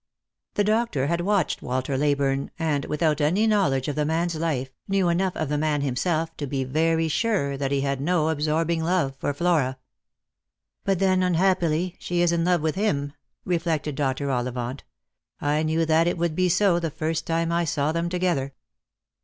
The doctor had watched Walter Ley burne, and, without any knowledge of the man's life, knew enough of the man himself to be very sure that he had no absorbing love for Flora. 148 Lost for Love. "But then, unhappily, she is in lore with him," reflected Dr. Ollivant. " I knew that it would be so the first time I saw them together."